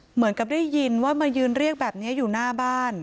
เหมือนกับได้ยินว่ามายืนเรียกแบบนี้อยู่หน้าบ้าน